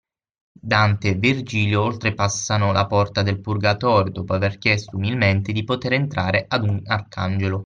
Dante e Virgilio oltrepassano la porta del Purgatorio dopo aver chiesto umilmente di poter entrare ad un arcangelo